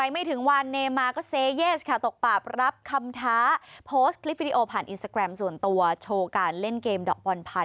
ไม่รู้ว่าเกิดอะไรขึ้นนะทุกคน